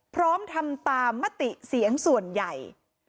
พร้อมทำตามมติเสียงส่วนใหญ่